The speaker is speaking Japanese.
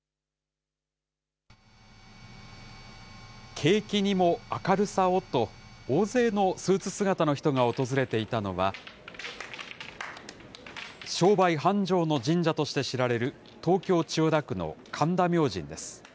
景気にも明るさをと、大勢のスーツ姿の人が訪れていたのは、商売繁盛の神社として知られる東京・千代田区の神田明神です。